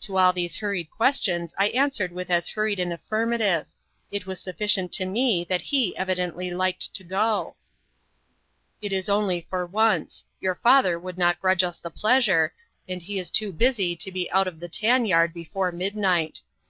To all these hurried questions I answered with as hurried an affirmative. It was sufficient to me that he evidently liked to go. "It is only for once your father would not grudge us the pleasure, and he is too busy to be out of the tan yard before midnight.